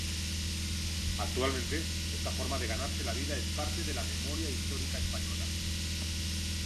Actualmente esta forma de ganarse la vida es parte de la memoria histórica española.